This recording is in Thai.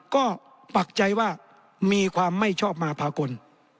ก็ปักใจว่ามีความไม่ชอบมาพากล